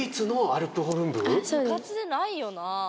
部活でないよな。